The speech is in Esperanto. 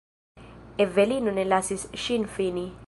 Evelino ne lasis ŝin fini.